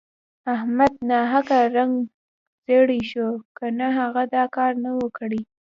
احمد ناحقه رنګ ژړی شو که نه هغه دا کار نه وو کړی.